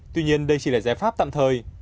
tuy nhiên đây chỉ là giải pháp tạm thời